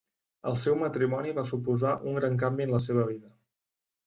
El seu matrimoni va suposar un gran canvi en la seva vida.